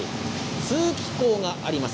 通気口があります。